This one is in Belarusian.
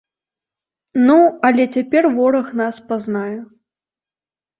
Ну, але цяпер вораг нас пазнае!